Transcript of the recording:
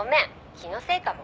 気のせいかも」